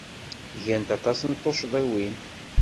Gant aṭas n tuccḍiwin.